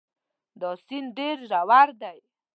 دا سیند ډېر ژور دی.